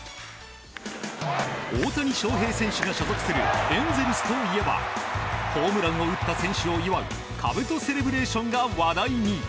大谷翔平選手が所属するエンゼルスといえばホームランを打った選手を祝うかぶとセレブレーションが話題に。